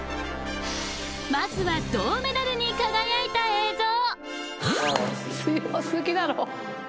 まずは銅メダルに輝いた映像